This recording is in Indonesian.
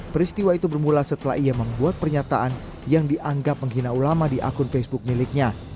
peristiwa itu bermula setelah ia membuat pernyataan yang dianggap menghina ulama di akun facebook miliknya